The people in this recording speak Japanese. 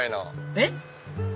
えっ？